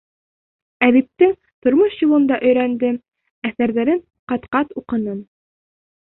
Әҙиптең тормош юлын да өйрәндем, әҫәрҙәрен ҡат-ҡат уҡыным.